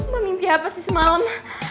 mimpi apa sih semalam